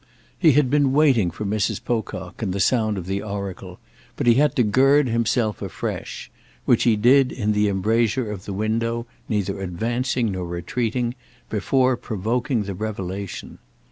He had been waiting for Mrs. Pocock and the sound of the oracle; but he had to gird himself afresh—which he did in the embrasure of the window, neither advancing nor retreating—before provoking the revelation.